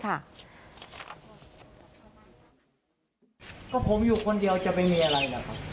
เจ้าหน้าที่เข้าไปในบ้านโอ้โหพังงะเลยรู้ที่มาของกลิ่นเลย